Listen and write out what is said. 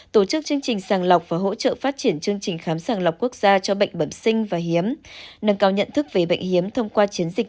thành lập quốc gia cho bệnh bẩm sinh và hiếm nâng cao nhận thức về bệnh hiếm thông qua chiến dịch